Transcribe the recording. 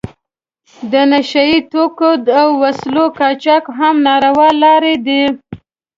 د نشه یي توکو او وسلو قاچاق هم ناروا لارې دي.